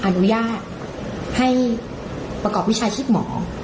อนุญาตให้ประกอบวิชาชีพหมอ